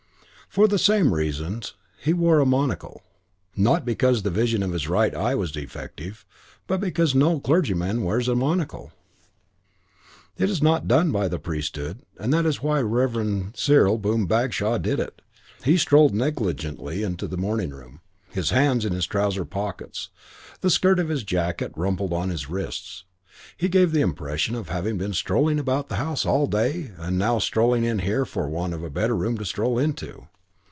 For the same reasons he wore a monocle; not because the vision of his right eye was defective but because no clergyman wears a monocle. It is not done by the priesthood and that is why the Reverend Cyril Boom Bagshaw did it. He strolled negligently into the morning room, his hands in his trouser pockets, the skirt of his jacket rumpled on his wrists. He gave the impression of having been strolling about the house all day and of now strolling in here for want of a better room to stroll into.